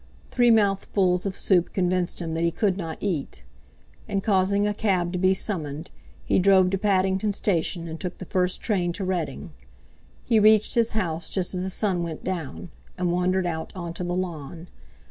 Three mouthfuls of soup convinced him that he could not eat; and, causing a cab to be summoned, he drove to Paddington Station and took the first train to Reading. He reached his house just as the sun went down, and wandered out on to the lawn.